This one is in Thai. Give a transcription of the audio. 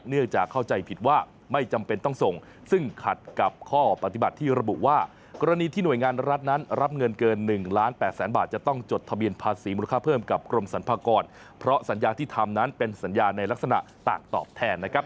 เนื่องจากเข้าใจผิดว่าไม่จำเป็นต้องส่งซึ่งขัดกับข้อปฏิบัติที่ระบุว่ากรณีที่หน่วยงานรัฐนั้นรับเงินเกิน๑ล้าน๘แสนบาทจะต้องจดทะเบียนภาษีมูลค่าเพิ่มกับกรมสรรพากรเพราะสัญญาที่ทำนั้นเป็นสัญญาในลักษณะต่างตอบแทนนะครับ